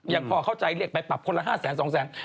ยังพอเข้าใจเรียกไปปรับคนละ๕แสน๒แสน